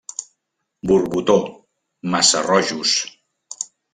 Borbotó, Massarrojos.